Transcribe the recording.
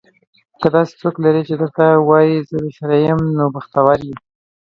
که داسې څوک لرې چې درته وايي, زه درسره یم. نو بختور یې.